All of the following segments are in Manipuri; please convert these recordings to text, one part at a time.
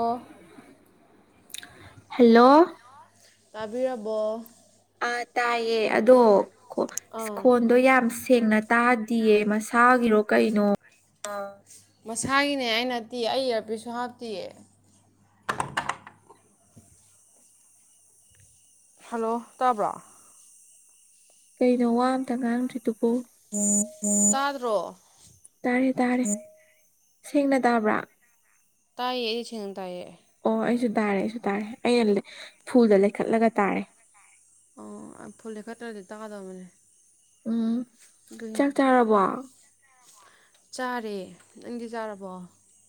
ꯑꯣ ꯍꯦꯜꯂꯣ ꯇꯥꯕꯤꯔꯕꯣ ꯑꯥ ꯇꯥꯏꯌꯦ ꯑꯗꯣ ꯑꯥ ꯈꯣꯟꯗꯣ ꯌꯥꯝ ꯁꯦꯡꯅ ꯇꯥꯗꯤꯌꯦ ꯃꯁꯥ ꯒꯨꯔꯣ ꯀꯩꯅꯣ ꯑ ꯃꯁꯥꯒꯤꯅꯦ ꯑꯩ ꯅꯠꯇꯤꯌꯦ ꯑꯩ ꯏꯌꯔꯄꯤꯁꯨ ꯍꯥꯞꯇꯤꯌꯦ [inaudible] ꯍꯜꯂꯣ ꯇꯥꯕ꯭ꯔꯣ ꯀꯩꯅꯣ ꯋꯥ ꯑꯝꯇ ꯉꯥꯡꯗ꯭ꯔꯤꯗꯨꯕꫭ ꯇꯥꯗ꯭ꯔꯣ ꯇꯥꯔꯦ ꯇꯥꯔꯦ ꯁꯦꯡꯅ ꯇꯥꯕ꯭ꯔꯥ ꯇꯥꯏꯌꯦ ꯆꯅ ꯇꯥꯏꯌꯦꯑꯦ ꯑꯣ ꯑꯩꯁꯨ ꯇꯥꯔꯦ ꯑꯩꯁꯨ ꯇꯥꯔꯦ ꯑꯩꯅ ꯐꯨꯜꯗ ꯂꯩꯈꯠꯂꯒ ꯇꯥꯔꯦ ꯑꯣ ꯐꯨꯗꯤ ꯈꯠꯇ꯭ꯔꯗꯤ ꯇꯛꯀꯗꯕꯅꯦ ꯎꯝ ꯆꯥꯛ ꯆꯥꯔꯕꯣ ꯆꯥꯔꯦ ꯅꯪꯗꯤ ꯆꯥꯔꯕꯣ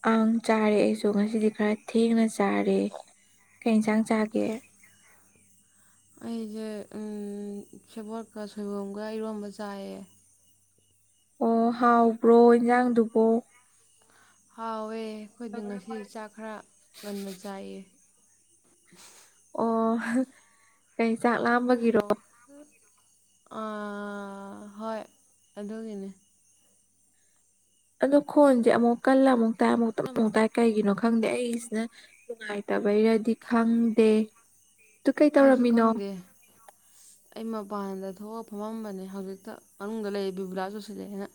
ꯑꯥꯡ ꯆꯥꯔꯦ ꯑꯩꯁꯨ ꯉꯁꯤꯗꯤ ꯈꯔ ꯊꯦꯡꯅ ꯆꯥꯔꯦ ꯀꯩ ꯏꯟꯁꯥꯡ ꯆꯥꯒꯦ [inaudible] ꯑꯩꯁꯦ ꯎꯝ ꯁꯦꯕꯣꯠꯀ ꯁꯣꯏꯕꯨꯝꯒ ꯏꯔꯣꯟꯕ ꯆꯥꯏꯌꯦ ꯑꯣ ꯍꯥꯎꯕ꯭ꯔꯣ ꯏꯟꯖꯥꯡꯗꯨꯕꯣ ꯍꯥꯎꯋꯦ ꯑꯩꯈꯣꯏꯗꯤ ꯉꯁꯤ ꯆꯥꯛ ꯈꯔ ꯉꯟꯅ ꯆꯥꯏꯌꯦ ꯑꯣ ꯀꯩ ꯆꯥꯛ ꯂꯥꯝꯕꯒꯤꯔꯣ ꯑꯥ ꯍꯣꯏ ꯑꯗꯨꯒꯤꯅꯤ ꯑꯗꯣ ꯈꯣꯟꯁꯦ ꯑꯃꯨꯛ ꯀꯜꯂ ꯑꯃꯨꯛ ꯇꯥꯏ ꯑꯃꯨꯛ ꯇꯞꯅ ꯑꯃꯨꯛ ꯇꯥꯏ ꯀꯩꯒꯤꯅꯣ ꯈꯪꯗꯦ ꯑꯩꯁꯤꯅ ꯅꯨꯉꯥꯏꯇ ꯇꯕꯩꯔꯗꯤ ꯈꯪꯗꯦ [inaudible] ꯇꯨ ꯀꯩ ꯑꯩꯁꯨ ꯇꯧꯔꯝꯃꯤꯅꯣ ꯈꯪꯗꯦ ꯑꯩ ꯃꯄꯥꯟꯗ ꯊꯣꯛꯑ ꯐꯝꯃꯝꯕꯅꯦ ꯍꯧꯖꯤꯛꯇ ꯃꯅꯨꯡꯗ ꯂꯩꯌꯦ ꯕꯤꯕꯨꯂꯥ ꯆꯨꯁꯤꯜꯂꯛꯑꯦꯅ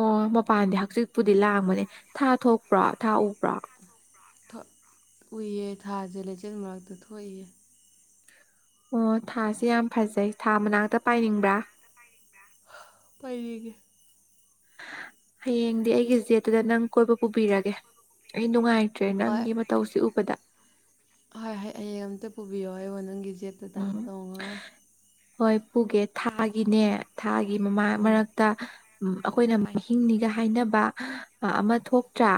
ꯑꯣ ꯃꯄꯥꯟꯗꯤ ꯍꯛꯆꯤꯠꯄꯨꯗꯤ ꯂꯥꯡꯕꯅꯦ ꯊꯥ ꯊꯣꯛꯄ꯭ꯔꯣ ꯊꯥ ꯎꯕ꯭ꯔꯣ ꯊꫭꯛ ꯎꯏꯌꯦ ꯊꯥꯁꯦ ꯂꯩꯆꯤꯜ ꯃꯔꯛꯇ ꯊꯣꯛꯏꯌꯦ ꯑꯣ ꯊꯥꯁꯦ ꯌꯥꯝ ꯐꯖꯩ ꯊꯥ ꯃꯅꯥꯛꯇ ꯄꯥꯏꯅꯤꯡꯕ꯭ꯔꯥ ꯄꯥꯏꯅꯤꯡꯉꯦ ꯍꯌꯦꯡꯗꯤ ꯑꯩꯒꯤ ꯖꯦꯠꯇꯨꯗ ꯅꯪ ꯀꯣꯏꯕ ꯄꯨꯕꯤꯔꯒꯦ ꯑꯩ ꯅꯨꯡꯉꯥꯏ ꯇ꯭ꯔꯦ ꯍꯣꯏ ꯅꯪꯒꯤ ꯃꯇꯧꯁꯤ ꯎꯕꯗ ꯍꯣꯏ ꯍꯣꯏ ꯍꯌꯦꯡ ꯑꯝꯇ ꯄꯨꯕꯤꯌꯣ ꯑꯩꯕꫭ ꯅꯪꯒꯤ ꯖꯦꯠꯇꯨꯗ ꯎꯝ ꯅꯣꯡꯉ ꯍꯣꯏ ꯄꯨꯒꯦ ꯊꯥꯒꯤꯅꯦ ꯊꯥꯒꯤ ꯃꯃꯥ ꯎꯝ ꯃꯔꯛꯇ ꯎꯝ ꯑꯩꯈꯣꯏꯅ ꯃꯍꯤꯡꯅꯤꯒ ꯍꯥꯏꯅꯕ ꯑꯃ ꯊꯣꯛꯇ꯭ꯔꯥ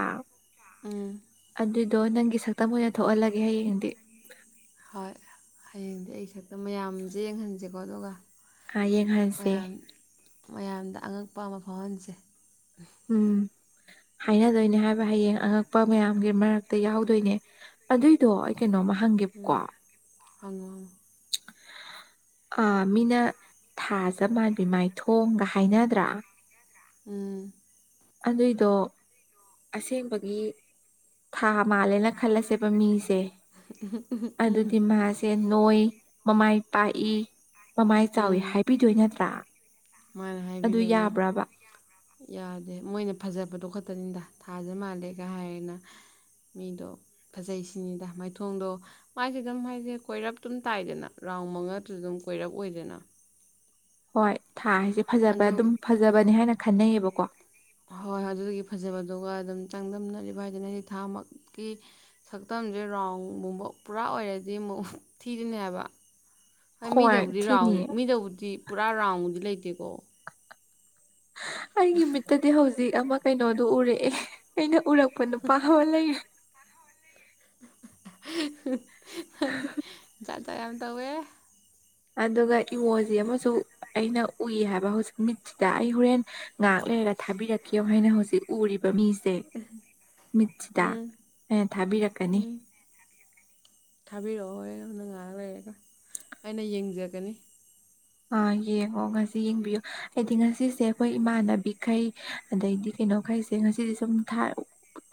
ꯎꯝ ꯑꯗꯨꯏꯗꯣ ꯅꯪꯒꯤ ꯁꯛꯇꯝ ꯑꯣꯏꯅ ꯊꯣꯛꯍꯜꯂꯒꯦ ꯍꯌꯦꯡꯗꯤ ꯍꯣꯏ ꯍꯌꯦꯡꯗꯤ ꯑꯩ ꯁꯛꯇꯝ ꯃꯌꯥꯝꯁꯦ ꯌꯦꯡꯍꯟꯁꯦꯀꯣ ꯑꯗꯨꯒ ꯥ ꯑꯥ ꯌꯦꯡꯍꯟꯁꯦ ꯃꯌꯥꯝ ꯃꯌꯥꯝꯗ ꯑꯉꯛꯄ ꯑꯃ ꯐꯥꯎꯍꯟꯁꯦ ꯎꯝ [inaudible] ꯍꯥꯏꯅꯗꯣꯏꯅꯦ ꯍꯥꯏꯕ ꯍꯌꯦꯡ ꯑꯉꯛꯄ ꯃꯌꯥꯝꯒꯤ ꯃꯔꯛꯇ ꯌꯥꯎꯗꯣꯏꯅꯦ ꯑꯗꯨꯏꯗꯣ ꯑꯩ ꯀꯩꯅꯣꯃ ꯍꯪꯒꯦꯞꯀꯣ ꯍꯪꯉꯥ ꯍꯪꯉꫭ [inaudible] ꯑꯥ ꯃꯤꯅ ꯊꯥꯖ ꯃꯥꯟꯕꯤ ꯃꯥꯏ ꯊꯣꯡꯒ ꯍꯥꯏꯅꯗ꯭ꯔꯥ ꯎꯝ ꯑꯗꯨꯏꯗꯣ ꯑꯁꯦꯡꯕꯒꯤ ꯊꯥ ꯊꯥ ꯃꯥꯜꯂꯦꯅ ꯈꯜꯂꯁꯦꯕ ꯃꯤꯁꯦ ꯑꯗꯨꯗꯤ ꯃꯥꯁꯦ ꯅꯣꯏ ꯃꯃꯥꯏ ꯄꯥꯛꯏ ꯃꯃꯥꯏ ꯆꯥꯎꯋꯤ ꯎꯝ ꯍꯥꯏꯕꯤꯗꯣꯏ ꯅꯠꯇ꯭ꯔꯥ ꯃꯥꯅ ꯑꯗꯨ ꯍꯥꯏꯕꯤꯗꯣꯏꯅꯦ ꯌꯥꯕ꯭ꯔꯕ ꯌꯥꯗꯦ ꯃꯣꯏꯅ ꯐꯖꯕꯗꯣ ꯈꯠꯇꯅꯤꯗ ꯊꯥꯁꯦ ꯃꯥꯜꯂꯦꯒ ꯍꯥꯏꯔꯦꯅ ꯃꯤꯗꯣ ꯐꯖꯩ ꯁꯤꯅꯤꯗ ꯃꯥꯏꯊꯣꯡꯗꯣ ꯃꯥꯏꯁꯦ ꯑꯗꯨꯝ ꯍꯥꯏꯁꯦ ꯀꯣꯏꯔꯞ ꯇꯝ ꯇꯥꯏꯗꯅ ꯔ ꯇꯥꯎ ꯃꯉꯥꯗꯨ ꯑꯗꯨꯝ ꯀꯣꯏꯔꯞ ꯑꯣꯏꯏꯗꯅ ꯍꯣꯏ ꯊꯥꯁꯦ ꯐꯖꯕ ꯑꯗꯨꯝ ꯐꯖꯕꯅꯦ ꯍꯥꯏꯅ ꯈꯟꯅꯩꯌꯦꯕꯀꯣ ꯍꯣꯏ ꯑꯗꯨꯗꯒꯤ ꯐꯖꯕꯗꯨ ꯑꯗꯨꯝ ꯆꯥꯡꯗꯝꯅꯔꯤꯕ ꯍꯥꯏꯗꯅ ꯑꯩꯗꯤ ꯊꯥꯃꯛꯀꯤ ꯁꯛꯇꯝꯁꯦ ꯔꯥꯎꯟ ꯕ ꯄꯨꯔꯥ ꯑꯣꯏꯔꯗꯤ ꯑꯃꯨꯛ ꯊꯤꯗꯣꯏꯅꯦ ꯍꯥꯏꯕ ꯍ ꯍꯣꯏ ꯃꯤꯗꯕꯨꯗꯤ ꯔꯥꯎ ꯊꯤꯅꯤ ꯃꯤꯗꯕꯨꯗꯤ ꯄꯨꯔꯥ ꯔꯥꯎꯗꯤ ꯂꯩꯇꯦꯀꯣ ꯑꯩꯒꯤ ꯃꯤꯠꯇꯗꯤ ꯍꯧꯖꯤꯛ ꯑꯃ ꯀꯩꯅꯣꯗꯨꯣ ꯎꯔꯛꯑꯦ ꯑꯩꯅ ꯎꯔꯛꯄ ꯄꯨꯣꯏ ꯅꯨ ꯄꯥ ꯂꯩ ꯖꯥꯠ ꯖꯠ ꯌꯥꯝ ꯇꯧꯋꯦ ꯑꯗꯨꯒ ꯏꯋꯣꯁ ꯑꯃꯁꯨ ꯑꯩꯅ ꯎꯏ ꯍꯥꯏꯕ ꯍꯧꯖꯤꯛ ꯃꯤꯠꯁꯤꯗ ꯑꯩ ꯍꯣꯔꯦꯟ ꯉꯥꯛꯂ ꯊꯕꯤ ꯔ ꯀꯈꯤꯕ ꯍ ꯍꯥꯏꯅ ꯍꯧꯖꯤ ꯎꯔꯤ ꯃꯤꯁꯦ ꯃꯤꯠꯁꯤꯗ ꯎꯝ ꯑꯩꯅ ꯊꯥꯕꯤꯔꯛꯀꯅꯤ ꯎꯝ ꯊꯥꯕꯤꯔꯛꯑꯣ ꯍꯣꯏꯣꯔꯅ ꯉꯥꯏꯔ ꯂꯩꯔꯦꯒ ꯑꯩꯅ ꯌꯦꯡꯖꯒꯅꯤ ꯑꯥ ꯌꯦꯡꯉꯣ ꯉꯁꯤ ꯌꯦꯡꯕꯤꯌꯨ ꯑꯩꯗꯤ ꯉꯁꯤꯁꯦ ꯑꯩꯈꯣꯏ ꯏꯃꯥꯟꯅꯕꯤꯈꯩ ꯑꯗꯩꯗꯤ ꯀꯩꯅꯣꯈꯩꯁꯦ ꯉꯁꯤꯗꯤ ꯁꯨꯝ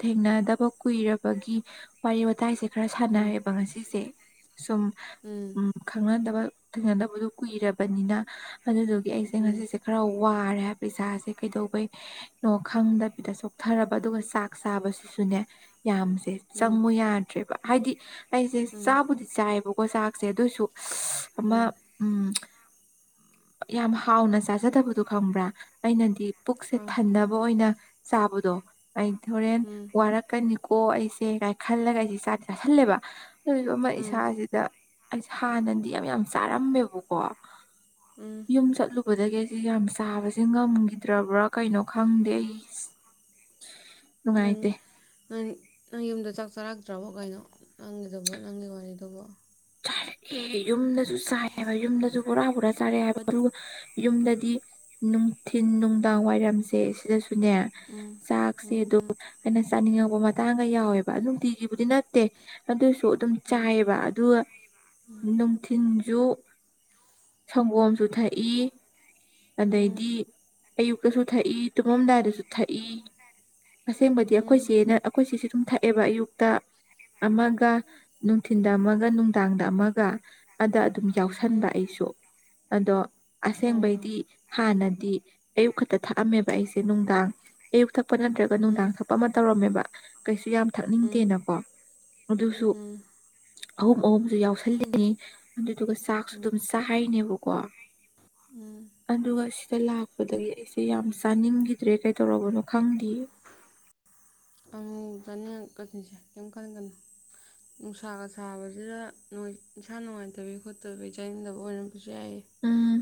ꯊꯦꯡꯅꯗꯕ ꯀꯨꯏꯔꯕꯒꯤ ꯋꯥꯔꯤ ꯋꯥꯇꯥꯏꯁꯦ ꯈꯔ ꯎꯝ ꯁꯥꯟꯅꯔꯦꯕ ꯉꯁꯤꯁꯦ ꯁꯨꯝ ꯎꯝ ꯈꯪꯅꯗꯕ ꯊꯦꯡꯅꯗꯕꯗꯣ ꯀꯨꯏꯔꯕꯅꯤꯅ ꯑꯗꯨꯗꯨꯒꯤ ꯑꯩꯁꯦ ꯎꯝ ꯉꯁꯤꯁꯦ ꯈꯔ ꯋꯥꯔꯦ ꯍꯥꯏꯕꯩꯁꯥꯁꯦ ꯀꯩꯗꯧꯕꯩꯅꯣ ꯈꯪꯗꯕꯤꯗ ꯆꯣꯛꯊꯔꯕ ꯑꯗꯨꯒ ꯆꯥꯛ ꯆꯥꯕꯁꯤ ꯁꯅ ꯌꯥꯝꯁꯦ ꯎꯝ ꯆꯪꯉꯨ ꯌꯥꯗ꯭ꯔꯦꯕ ꯍꯥꯏꯗꯤ ꯑꯩꯁꯦ ꯎꯝ ꯆꯥꯛꯕꯨꯗꯤ ꯆꯥꯏꯌꯦꯕꯀꯣ ꯆꯥꯛꯁꯦ ꯑꯗꯨꯁꯨ ꯎꯝ ꯑꯃ ꯎꯝ ꯌꯥꯝ ꯍꯥꯎꯅ ꯆꯥꯖꯗꯕꯗꯨꯣ ꯈꯪꯕ꯭ꯔꯥ ꯑꯩꯅꯗꯤ ꯄꯨꯛꯁꯦ ꯑꯥ ꯊꯟꯅꯕ ꯑꯣꯏꯅ ꯆꯥꯕꯗꯣ ꯑꯩ ꯍꯣꯔꯦꯟ ꯎꯝ ꯋꯥꯔꯛꯀꯅꯤ ꯀꯣ ꯑꯩꯁꯦ ꯀꯥꯏꯅ ꯈꯜꯂꯒ ꯑꯩꯁꯦ ꯏ ꯆꯥꯗꯤꯦ ꯆꯥꯁꯜꯂꯦꯕ ꯑꯗꯨꯏꯁꯨ ꯑꯃ ꯎꯝ ꯏꯁꯥꯁꯤꯗ ꯑꯩꯁꯦ ꯍꯥꯟꯅꯗꯤ ꯌꯥꯝ ꯌꯥꯝ ꯆꯥꯔꯝꯃꯦꯕꯀꯣ ꯎꯝ ꯌꯨꯝ ꯆꯠꯂꯨ ꯎ ꯑꯗꯨꯗꯒꯤ ꯑꯩꯁ ꯌꯥꯝ ꯆꯥꯕꯕꯁꯤꯦ ꯉꯝꯈꯤꯗ꯭ꯔꯕ꯭ꯔꯥ ꯀꯩꯅꯣ ꯈꯪꯗꯦ ꯑꯩ ꯑꯪ ꯅꯨꯡꯉꯥꯏꯇꯦ ꯎ ꯅꯪ ꯌꯨꯝꯗ ꯆꯥꯛ ꯆꯥꯔꯛꯇ꯭ꯔꯕꯣ ꯀꯩꯅꯣ ꯅꯪꯒꯤꯗꯨꯕꯣ ꯅꯪꯒꯤ ꯋꯥꯔꯤꯗꯨꯕꯣ ꯑꯦ ꯌꯨꯝꯗꯁꯨ ꯆꯥꯏ ꯍꯥꯏꯕ ꯌꯨꯝꯗꯁꯨ ꯕꯣꯔꯥ ꯕꯣꯔꯥ ꯆꯥꯔꯦ ꯍꯥꯏꯕ ꯑꯗꯨꯒ ꯌꯨꯝꯗꯗꯤ ꯅꯨꯡꯊꯤꯤꯟ ꯅꯨꯡꯗꯥꯡ ꯋꯥꯏꯔꯝꯁꯦ ꯁꯤꯗꯁꯨꯅꯦ ꯎꯝ ꯆꯥꯛꯁꯦ ꯎꯝ ꯑꯗꯨꯝ ꯍꯥꯏꯅ ꯆꯥꯅꯤꯡꯉꯛꯄ ꯃꯇꯥꯡꯒ ꯌꯥꯎꯋꯦꯕ ꯑꯗꯨ ꯅꯨꯡꯇꯤꯒꯤꯕꯨꯗꯤ ꯅꯠꯇꯦ ꯑꯗꯨ ꯇꫭ ꯑꯗꯨꯝ ꯆꯥꯏꯑꯕ ꯑꯗꯨꯒ ꯅꯨꯡꯊꯤꯟ ꯟꯁꯨꯨ ꯁꯪꯒꯣꯝꯁꯨ ꯊꯛꯏ ꯎꯝ ꯑꯗꯩꯗꯤ ꯑꯌꯨꯛꯇꯁꯨ ꯊꯛꯏ ꯇꯨꯝꯃꯝꯗꯥꯏꯗꯁꯨ ꯊꯛꯏ ꯑꯁꯦꯡꯕꯗꯤ ꯑꯩꯈꯣꯏ ꯎꯝ ꯆꯦꯅ ꯑꯩꯈꯣꯏ ꯆꯁꯤ ꯁꯨꯝ ꯊꯛꯑꯦꯕ ꯑꯌꯨꯛꯇ ꯑꯃꯒ ꯅꯨꯡꯊꯤꯤꯟꯗ ꯑꯃꯒ ꯅꯨꯡꯗꯥꯡꯗ ꯑꯃꯒ ꯑꯗ ꯑꯗꯨꯝ ꯎꯝ ꯎꯝ ꯌꯥꯎꯁꯟꯕ ꯑꯩꯁꯨ ꯑꯗꯣ ꯑꯣ ꯑꯁꯦꯡꯕꯩꯗꯤ ꯍꯥꯟꯅ ꯍꯥꯏꯗꯤ ꯑꯌꯨꯛ ꯈꯛꯇ ꯊꯛꯑꯝꯃꯦꯕ ꯑꯩꯁꯦ ꯅꯨꯡꯗꯥꯡ ꯑꯌꯨꯛ ꯊꯛꯄ ꯅꯠꯇ꯭ꯔꯒ ꯅꯨꯡꯗꯥꯡ ꯎꯝ ꯊꯛꯄ ꯑꯃ ꯇꯧꯔꯝꯃꯦꯕ ꯀꯩꯁꯨ ꯌꯥꯝ ꯎꯝ ꯊꯛꯅꯤꯡꯗꯦꯅꯀꯣ ꯑꯗꯨꯁꯨ ꯑꯍꯨꯝ ꯑꯍꯨꯝꯁꯨ ꯌꯥꯎꯁꯜꯂꯤꯅꯤ ꯑꯗꯨꯗꯨꯒ ꯆꯥꯛꯁꯨ ꯎꯝ ꯎꯝ ꯑꯗꯨꯝ ꯆꯥꯔꯤꯅꯦꯕꯀꯣ ꯎꯝ ꯑꯗꯨꯒ ꯁꯤ ꯂꯥꯛꯄꯗꯒꯤ ꯑꯩꯁꯦ ꯌꯥꯝ ꯆꯥꯅꯤꯡꯈꯤꯗ꯭ꯔꯦ ꯀꯩꯗꯧꯔꯕꯅꯣ ꯈꯪꯗꯦꯌꯦ ꯑꯪ ꯆꯅꯤꯁꯦ ꯀꯩꯝ ꯀꯟ ꯀꯩꯅꯣ ꯅꯨꯡꯁꯥꯒ ꯁꯥꯕꯁꯤꯗ ꯏꯁꯟꯁꯥ ꯅꯨꯡꯉꯥꯏꯇꯕꯤ ꯈꯣꯠꯇꯕꯤ ꯆꯥꯅꯤꯡꯗꯕ ꯑꯣꯏꯔꯝ ꯌꯥꯏ ꯎꯝ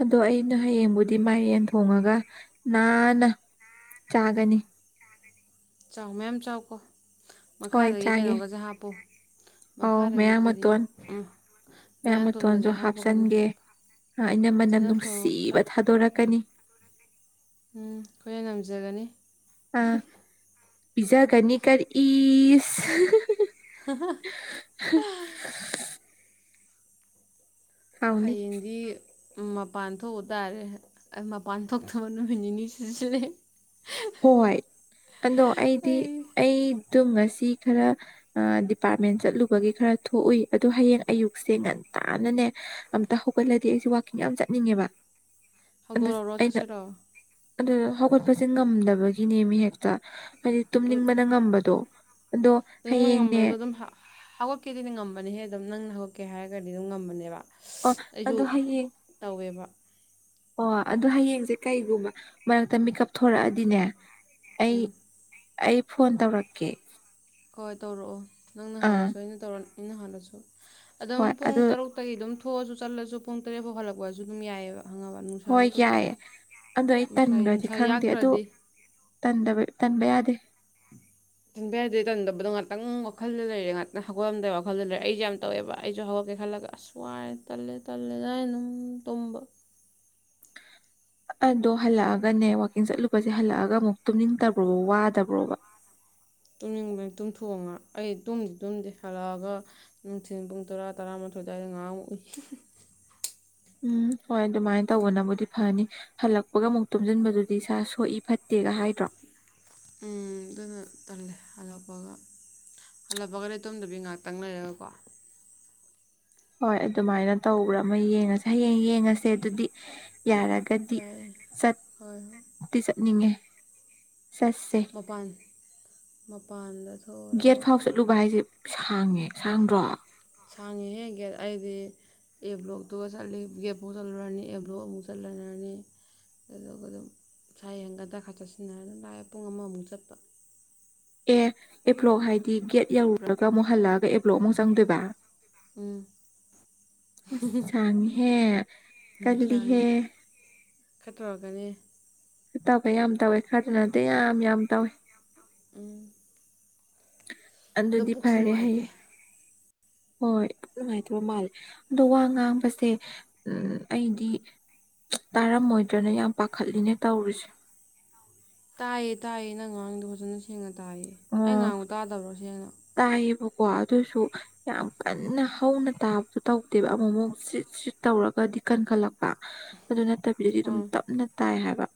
ꯑꯗꯣ ꯑꯩꯅ ꯍꯌꯦꯡꯕꯨꯗꯤ ꯃꯥꯏ ꯌꯦꯟ ꯊꯣꯉꯒ ꯅꯥꯟꯅ ꯆꯥꯒꯅꯤ ꯆꯥꯎ ꯃꯌꯥꯝ ꯆꯥꯎꯀꯣ ꯍꯣꯏ ꯃꯈꯥꯗꯒꯤ ꯆꯥꯒꯦ ꯀꯩꯅꯣꯒꯁꯦ ꯍꯥꯞꯄꯨ ꯑꯧ ꯃꯈꯥꯗꯒꯤ ꯃꯌꯥꯡ ꯀꯔꯤ ꯃꯇꯣꯟ ꯎ ꯃꯌꯥꯡ ꯃꯌꯥꯡꯊꯣꯟꯒꯁꯦ ꯃꯇꯣꯟꯁꯨ ꯍꯥꯞꯄꯒꯅꯦ ꯍꯥꯞꯆꯟꯒꯦ ꯑꯩꯅ ꯃꯅꯝ ꯐꯖꯅ ꯊꯣꯡꯉꯒ ꯆꯥꯎ ꯅꯨꯡꯁꯤꯕ ꯊꯥꯗꯣꯔꯛꯀꯅꯤ ꯎꯝ ꯑꯩꯈꯣꯏꯅ ꯉꯝꯖꯒꯅꯤ ꯑ ꯄꯤꯖꯒꯅꯤꯀꯔꯁ [unintelligible] ꯍꯥꯎꯅꯤ ꯍꯌꯦꯡꯗꯤ ꯃꯄꯥꯟ ꯊꯣꯛꯎ ꯇꯥꯔꯦ ꯑꯩ ꯃꯄꯥꯟ ꯊꯣꯛꯇꯕ ꯅꯨꯃꯤꯠ ꯅꯤꯅꯤ ꯁꯨꯁꯨꯔ‌ꯦ ꯍꯣꯏ ꯑꯗꯣ ꯑꯩꯗꯤ ꯑꯩ ꯑꯗꯨꯨꯝ ꯉꯁꯤ ꯈꯔ ꯑꯥ ꯗꯤꯄꯥꯔꯠꯃꯦꯟ ꯆꯠꯂꯨꯕꯒꯤ ꯈꯔ ꯊꯣꯛꯎꯏ ꯑꯗꯣ ꯍꯌꯦꯡ ꯑꯌꯨꯛꯁꯦ ꯉꯟ ꯇꯥꯅꯅꯦ ꯑꯝꯇ ꯍꯧꯒꯠꯂꯗꯤ ꯑꯩꯁꯦ ꯋꯥꯥꯛꯀꯤꯡ ꯌꯥꯝ ꯆꯠꯅꯤꯡꯉꯦꯕ [unintelligible] ꯑꯗꯨ ꯑꯩꯅ ꯆꯠꯁꯤꯔꯣ ꯑꯗꯨ ꯍꯧꯒꯠꯄꯁꯦ ꯉꯝꯗꯕꯒꯤꯅꯦ ꯃꯤ ꯍꯦꯛꯇ ꯍꯥꯏꯗꯤ ꯎꯝ ꯇꯨꯝꯅꯤꯡꯕꯅ ꯉꯝꯕꯗꯣ ꯑꯗꯣ ꯍꯌꯦꯡꯅꯦ ꯍꯧꯒꯠꯀꯦꯗꯤꯅ‌ꯦ ꯉꯝꯕꯅꯤꯍꯦ ꯑꯗꯨꯝ ꯅꯪꯅ ꯍꯧꯒꯠꯀꯦ ꯍꯥꯏꯔꯒꯗꯤ ꯑꯗꯨꯝ ꯉꯝꯕꯅꯦꯕ ꯑꯣ ꯑꯁ ꯑꯩꯖꯨ ꯑꯗꯣ ꯍꯌꯦꯡ ꯇꯧꯋꯦꯕ ꯑꯣ ꯑꯗꯨ ꯍꯌꯦꯡꯁꯦ ꯀꯩꯒꯨꯝꯕ ꯃꯔꯛꯇ ꯃꯤꯀꯞ ꯊꯣꯔꯛꯑꯗꯤꯅꯦ ꯑꯩ ꯎꯝ ꯑꯩ ꯐꯣꯟ ꯇꯧꯔꯛꯀꯦ ꯍꯣꯏ ꯇꯧꯔꯛꯑꯣ ꯅꯪꯅ ꯑꯥ ꯍꯜꯂꯁꯨ ꯑꯩꯅ ꯇꯧꯔꯛ ꯑꯩꯅ ꯍꯜꯂꯁꯨ ꯑꯗꯨꯝ ꯍꯣꯏ ꯄꯨꯡ ꯑꯗꯨ ꯇꯔꯨꯛꯇꯒꯤ ꯑꯗꯨꯝ ꯊꯣꯛꯑꯁꯨ ꯆꯠꯂꯁꯨ ꯄꯨꯡ ꯇꯔꯦꯠ ꯐꯥꯎ ꯍꯜꯂꯛꯄꯁꯨ ꯑꯗꯨꯝ ꯌꯥꯏꯕ ꯍꯣꯏ ꯌꯥꯏ ꯑꯗꯣ ꯑꯩ ꯅꯨꯡꯁꯥ ꯇꯟꯈ꯭ꯔꯗꯤ ꯅꯨꯡꯁꯥ ꯈꯪꯗꯦ ꯑꯗ‌ꯣ ꯌꯥꯛꯇ꯭ꯔꯗꯤ ꯇꯟꯗꯕ ꯇꯟꯕ ꯌꯥꯗꯦ ꯇꯟꯕ ꯌꯥꯗ‌ꯦ ꯇꯟꯗꯕꯗꯣ ꯉꯥꯛꯇꯪ ꯋꯥꯈꯜꯗ ꯂꯩꯔꯦ ꯉꯥꯛꯇꯪ ꯍꯧꯒꯠꯂꯝꯗꯥꯏ ꯋꯥꯈꯜꯗ ꯂꯩꯔꯦ ꯑꯩꯁꯨ ꯌꯥꯝ ꯇꯧꯋꯦꯕ ꯑꯩꯁꯨ ꯍꯧꯒꯠ ꯀ‌ꯦ ꯈꯜꯂꯒ ꯑꯁ ꯋꯥꯔ‌ꯦ ꯇꯜꯂꯦ ꯇꯜꯂꯦꯗꯅ ꯑꯗꯨꯝ ꯇꯨꯝꯕ ꯑꯗꯣ ꯍꯜꯂꯛꯑꯒꯅꯦ ꯋꯥꯛꯀꯤꯡ ꯆꯠꯂꯨꯕꯁꯦ ꯍꯜꯂꯛꯑꯒ ꯑꯃꯨꯛ ꯇꯨꯝꯅꯤꯡꯗꯕ꯭ꯔꯣ ꯋꯥꯗꯕ꯭ꯔꯣꯕ [inaudible] ꯇꯨꯝꯅꯤꯡꯕꯅꯤ ꯇꯨꯝꯊꯣꯛꯑ‌ꯣ ꯑꯩ ꯇꯨꯝꯗꯤ ꯇꯨꯝꯗꯦ ꯍꯜꯂꯛꯑꯒ ꯅꯨꯡꯊꯤꯟ ꯄꯨꯡ ꯇꯔꯥ ꯇꯔꯥꯃ ꯊ‌ꯣꯏ ꯑꯗꯥꯏꯗ ꯉꯥꯛ ꯃꯨꯛ ꯎꯏ ꯎꯝ ꯍꯣꯏ ꯑꯗꯨꯃꯥꯏꯅ ꯇꯧꯕꯅꯕꯨꯗꯤ ꯐꯅꯤ ꯍꯜꯂꯛꯄꯒ ꯑꯃꯨꯛ ꯇꯨꯝꯁꯤꯟꯕꯗꯨꯗꯤ ꯏꯁꯥ ꯁꯣꯛꯏ ꯐꯠꯇꯦ ꯒ ꯍꯥꯏꯗ꯭ꯔꯣ ꯎꯝ ꯑꯗꯨꯅ ꯇꯜꯂꯦ ꯍꯜꯂꯛꯄꯒ ꯍꯜꯂꯞꯄꯒꯅ‌ꯦ ꯇꯨꯝꯗꯕꯤ ꯉꯥꯏꯍꯥꯛꯇꯪ ꯂꯩꯔꯒꯀꯣ ꯍꯣꯏ ꯑꯗꯨꯃꯥꯏꯅ ꯇꯧꯕ꯭ꯔꯥ ꯑꯃ ꯌꯦꯡꯉꯁꯦ ꯍꯌꯦꯡ ꯌꯦꯡꯉꯁꯦ ꯑꯗꯨꯗꯤ ꯌꯥꯔꯒꯗꯤ ꯌꯥꯏ ꯍꯣꯏ ꯍꯣꯏ ꯆꯠꯇꯤ ꯆꯠꯅꯤꯡꯉꯦ ꯆꯠꯁ‌ꯦ ꯃꯄꯥꯟ ꯃꯄꯥꯟꯗ ꯒꯦꯠ ꯊꯣꯛꯎꯔꯒ ꯐꯥꯎ ꯆꯠꯂꯨꯕ ꯍꯥꯏꯁꯦ ꯎꯝ ꯁꯥꯡꯉꯦ ꯁꯥꯡꯗ꯭ꯔꯣ ꯁꯥꯡꯉꯤꯍꯦ ꯒꯦꯠ ꯑꯩꯗꯤ ꯑꯦꯕ꯭ꯂꯣꯛꯇꯨꯒ ꯆꯠꯂꯤ ꯒꯦꯞꯐꯧ ꯆꯠꯂꯨꯔꯅꯤ ꯑꯦꯕ꯭ꯂꯣꯛ ꯑꯃꯨꯛ ꯆꯠꯂꯔꯅꯤ ꯑꯗꯨꯒ ꯑꯗꯨꯝ ꯏꯁꯥ ꯌꯦꯡꯒ ꯗ꯭ꯔ ꯈꯥꯔ ꯆꯠꯁꯤꯟꯅꯔꯒ ꯑꯗꯨꯝ ꯂꯥꯛꯑꯦ ꯄꯨꯡ ꯑꯃꯃꯨꯛ ꯆꯠꯄ ꯑꯦ ꯑꯦꯕ꯭ꯂꯣ ꯍꯥꯏꯗꯤ ꯒꯦꯠ ꯌꯧꯔꯨꯔꯒ ꯃꯨꯛ ꯍꯜꯂꯛꯑꯒ ꯑꯦꯕ꯭ꯂꯣ ꯑꯃꯨꯛ ꯆꯪꯗꯣꯏꯕ ꯎꯝ ꯑ ꯆꯥꯡ ꯍꯦ ꯀꯜꯂꯤ ꯍꯦ ꯈꯠꯇꯔꯒꯅꯤ ꯇꯕ ꯌꯥꯝ ꯇꯧꯋꯦ ꯈꯔꯗꯅꯗꯤ ꯌꯥꯝ ꯌꯥꯝ ꯇꯧꯋꯦ ꯎꯝ ꯑꯗꯣ ꯑꯗꯨꯗꯤ ꯄꯨꯛꯁꯨ ꯐꯔꯦ ꯍꯥꯏꯌꯦ ꯅꯨꯡꯉꯥꯏꯇꯦ ꯍꯣꯏ ꯅꯨꯡꯉꯥꯏꯇꯕ ꯃꯥꯜꯂꯦ ꯑꯗꯣ ꯋꯥ ꯉꯥꯡꯕꯁꯦ ꯑꯩꯗꯤ ꯇꯥꯔꯝꯃꯣꯏꯗ꯭ꯔꯅ ꯌꯥꯝ ꯄꯥꯈꯠꯂꯤꯅꯦ ꯇꯧꯔꯤꯨꯁꯦ ꯇꯥꯏꯌꯦ ꯇꯥꯏꯌꯦ ꯅꯪ ꯉꯥꯡꯗꯣ ꯐꯖꯅ ꯁꯦꯡꯅ ꯇꯥꯏꯌꯦ ꯑꯩ ꯑꯣ ꯉꯥꯡꯗ ꯇꯥꯗꯕ꯭ꯔꯣ ꯁꯦꯡꯅ ꯋꯥ ꯑꯗꯨꯁꯨ ꯌꯥꯝ ꯀꯟꯅ ꯍꯧꯅ ꯇꯥꯕ ꯨ ꯇꯧꯗꯦꯕ ꯑꯃꯨꯛ ꯑꯃꯨꯛ ꯁꯤꯠ ꯁꯤꯠ ꯇꯧꯔꯒꯗꯤ ꯀꯟꯈꯠꯂꯛꯄ ꯑꯗꯨ ꯅꯠꯇꯕꯤꯗꯗꯤ ꯑꯗꯨꯝ ꯑꯥ ꯇꯞꯅ ꯇꯥꯏ ꯍꯥꯏꯕ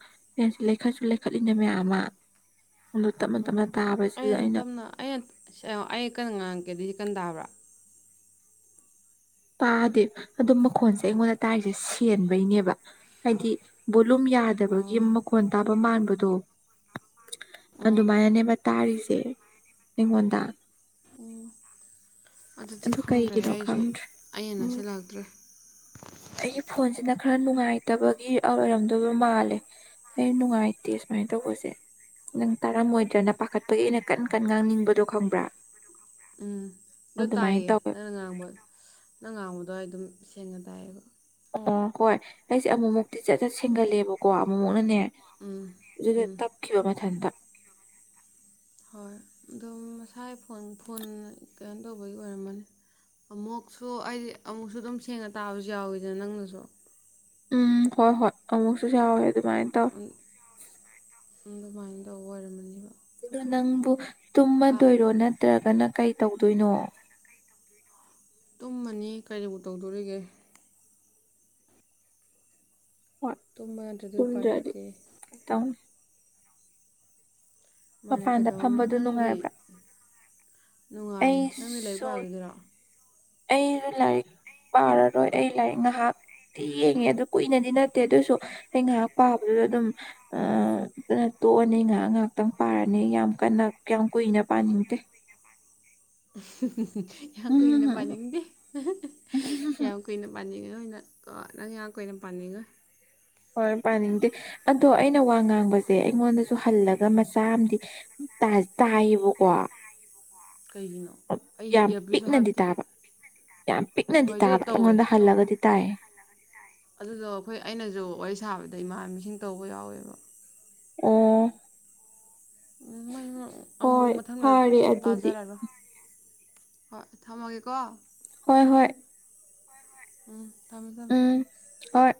ꯑ ꯈꯠꯁꯨ ꯂꯩꯈꯠꯂꯤꯅ ꯃꯌꯥꯝ ꯑꯃ ꯎꯠꯇꯃꯦ ꯇꯃꯦ ꯑꯩ ꯇꯞꯅ ꯑ ꯑꯩ ꯀꯩꯅ ꯉꯥꯡꯔꯛꯀꯦ ꯑꯗꯨꯀꯟ ꯇꯥꯕ꯭ꯔꯥ ꯇꯥꯗꯦ ꯑꯗꯨ ꯃꯈꯣꯟꯁꯦ ꯑꯩꯉꯣꯟꯗ ꯇꯥꯔꯤꯁꯦ ꯁꯦꯟꯕꯩꯅꯦꯕ ꯍꯥꯏꯗꯤꯠ ꯂꯨꯝ ꯌꯥꯗꯕꯒꯤ ꯑꯣ ꯃꯈꯣꯟ ꯇꯥꯕ ꯃꯥꯟꯕꯗꯣ ꯑꯣ ꯑꯗꯨꯃꯥꯏꯅꯅꯦ ꯇꯥꯔꯤꯁꯦ ꯑꯩꯉꯣꯟꯗ ꯎꯝ ꯑꯗꯨꯗꯤ ꯑꯗꯨ ꯈꯪꯗ꯭ꯔꯦ ꯀꯩꯒꯤꯅꯣ ꯑꯩꯁꯨ ꯈꯪꯗ꯭ꯔꯦ ꯑꯟꯅ ꯎꯝ ꯁꯤ ꯂꯥꯛꯇ꯭ꯔꯦ ꯑꯩꯒꯤ ꯐꯣꯟꯁꯤꯅ ꯈꯔ ꯅꯨꯡꯉꯥꯏꯇꯕꯒꯤ ꯑꯣꯏꯔꯝꯗꯣꯏꯕ ꯃꯥꯜꯂꯦ ꯑꯩ ꯅꯨꯡꯉꯥꯏꯇꯦ ꯁꯨꯃꯥꯏꯅ ꯇꯧꯕꯁꯦ ꯅꯪ ꯇꯥꯔꯝꯃꯣꯏꯗ꯭ꯔꯅ ꯄꯥꯈꯠꯄꯒꯤ ꯑꯩꯅ ꯀꯟ ꯀꯟ ꯉꯥꯡꯅꯤꯡꯕꯗꯣ ꯈꯪꯕ꯭ꯔꯥ ꯎꯝ ꯑꯗꯨꯣ ꯑꯗꯨꯃꯥꯏꯅ ꯇꯥꯏꯌꯦ ꯇꯧꯋꯦ ꯅꯪ ꯉꯥꯡꯕ ꯅꯪ ꯉꯥꯡꯕꯗ ꯑꯗꯨꯋꯥꯏ ꯑꯗꯨꯝ ꯁꯦꯡꯅ ꯇꯥꯏꯌꯦꯕ ꯑꯣ ꯍꯣꯏ ꯑꯩꯁꯦ ꯑꯃꯨꯛꯃꯨꯛꯇꯤ ꯆꯠ ꯆꯠ ꯁꯦꯡꯒꯠꯂꯦꯕꯀꯣ ꯑꯃꯨꯛꯃꯨꯅꯅꯦ ꯎꯝ ꯑꯗꯨ ꯎꯝ ꯇꯞꯈꯤꯕ ꯃꯊꯟꯇ ꯍꯣꯏ ꯑꯣ ꯃꯁꯥꯏ ꯐꯣꯟ ꯐꯣꯟ ꯀꯩꯅꯣ ꯇꯧꯕꯒꯤ ꯑꯣꯏꯔꯝꯃꯅꯤ ꯑꯃꯨꯛꯁꯨ ꯑꯩꯗꯤ ꯑꯃꯨꯛꯁꯨ ꯑꯗꯨꯝ ꯁꯦꯡꯅ ꯇꯥꯕꯁꯨ ꯌꯥꯎꯋꯤꯗ ꯅꯪꯅꯁꯨ ꯎꯝ ꯍꯣꯏ ꯍꯣꯏ ꯑꯃꯨꯛꯁꯨ ꯌꯥꯎꯋꯦ ꯑꯗꯨꯃꯥꯏꯅ ꯇꯧ ꯑꯗꯨꯃꯥꯏꯅ ꯇꯧꯕ ꯑꯣꯏꯔꯝꯃꯅꯦꯕ ꯑꯗꯨꯗꯣ ꯅꯪꯕꯨ ꯇꯨꯝꯃꯗꯣꯏꯔꯣ ꯅꯠꯇ꯭ꯔꯒꯅ ꯀꯩ ꯇꯧꯗꯣꯏꯅꯣ ꯇꯨꯝꯃꯅꯤ ꯀꯔꯤꯕꯨ ꯇꯧꯗꯣꯔꯤꯒꯦ ꯍꯣꯏ ꯇꯣꯃꯥꯟ ꯑꯗꯨꯗꯤ ꯄꯥꯏ ꯇꯨꯝꯗ꯭ꯔꯗꯤ ꯂꯩꯇ ꯀꯩ ꯇꯧꯅꯤ ꯃꯥꯃꯅ ꯃꯄꯥꯟꯗ ꯀꯩꯗꯧꯅꯤ ꯐꯝꯕꯗꯨ ꯅꯪꯒꯤ ꯅꯨꯡꯉꯥꯏꯕ꯭ꯔꯥ ꯅꯨꯡꯉꯥꯏꯌꯦ ꯅꯪꯗꯤ ꯂꯥꯏꯔꯤꯛ ꯑꯩꯁꯨ ꯄꯥꯈꯤꯗꯣꯏꯔꯣ ꯑꯩꯁꯨ ꯂꯥꯏꯔꯤꯛ ꯄꯥꯔꯔꯣꯏ ꯑꯩ ꯂꯥꯏꯔꯤꯛ ꯉꯥꯏꯍꯥꯛ ꯤ ꯌꯦꯡꯉꯦ ꯑꯗꯨ ꯀꯨꯏꯅꯗꯤ ꯅꯠꯇꯦ ꯑꯗꯨꯑꯣꯁꯨ ꯑꯩ ꯉꯥꯏꯍꯥꯛ ꯄꯥꯕꯗꯨꯁꯨ ꯑꯗꯨꯝ ꯇꯣꯛꯑꯅꯤ ꯉꯥꯏꯍꯥꯛ ꯉꯥꯏꯍꯥꯛꯇꯪ ꯄꯥꯔꯅꯤ ꯌꯥꯝ ꯀꯟꯅ ꯌꯥꯝ ꯀꯨꯏꯅ ꯄꯥꯅꯤꯡꯗꯦ ꯌꯥ ꯀꯨꯏꯅ ꯎꯝ ꯄꯅꯤꯅꯤꯡꯅꯤꯡꯗꯦ ꯌꯥ ꯀꯨꯏꯅ ꯄꯥꯅꯤꯡꯉ ꯅꯣꯏꯅ ꯅꯪ ꯉꯥꯏꯍꯥꯛ ꯀꯨꯏꯅ ꯄꯥꯅꯤꯡꯉ ꯍꯣꯏ ꯄꯥꯅꯤꯡꯗꯦ ꯑꯗꯣ ꯑꯩꯅ ꯋꯥ ꯉꯥꯡꯕꯁꯦ ꯑꯩꯉꯣꯟꯗ ꯁꯨꯍꯜꯂꯒ ꯃꯆꯥ ꯑꯃꯗꯤ ꯇꯥꯏꯌꯦꯕꯀꯣ ꯀꯩꯒꯤꯅꯣ ꯑꯩ ꯍꯦꯛ ꯌꯥꯝ ꯏꯔꯕꯤꯁꯨ ꯄꯤꯛꯅꯗꯤ ꯍꯥꯞꯇꯤꯌꯦ ꯇꯥꯕ ꯌꯥꯝ ꯄꯤꯛꯅꯗꯤ ꯍꯣꯏ ꯑꯗꯨ ꯇꯥꯕ ꯇꯧꯋꯦ ꯑꯩꯉꯣꯟꯗ ꯍꯜꯂꯒꯗꯤ ꯇꯥꯏꯌꯦ ꯑꯗꯨꯗꯣ ꯑꯩꯈꯣꯏ ꯑꯩꯅꯁꯨ ꯋꯥꯔꯤ ꯁꯥꯕꯗ ꯏꯃꯥꯟꯅꯕꯤꯁꯤꯡ ꯇꯧꯕ ꯌꯥꯎꯋꯦꯕ ꯎ ꯎꯣꯏ ꯑꯃꯨꯛ ꯃꯊꯪꯗ ꯐꯔꯦ ꯑꯗꯨꯗꯤ ꯇꯥꯖꯔꯔꯣꯏ ꯍꯣꯏ ꯊꯝꯃꯒꯦꯀꯣ ꯍꯣꯏ ꯍꯣꯏ ꯎꯝ ꯊꯃꯣ ꯊꯃꯣ ꯎꯝ ꯍꯣꯏ